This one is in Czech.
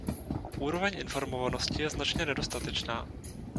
Úroveň informovanosti je značně nedostatečná.